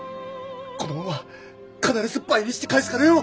この恩は必ず倍にして返すからよ！